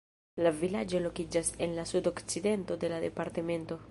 La vilaĝo lokiĝas en la sudokcidento de la departemento.